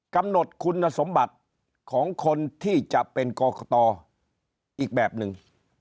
กำหนดคุณสมบัติของคนที่จะเป็นกรกตอีกแบบหนึ่ง